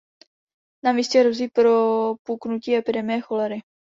Na místě hrozí propuknutí epidemie cholery.